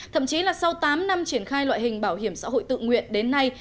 thậm chí là sau tám năm triển khai loại hình bảo hiểm xã hội tự nguyện đến nay